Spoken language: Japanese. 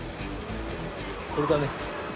これだね。